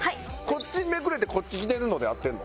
こっちめくれてこっち着てるので合ってるの？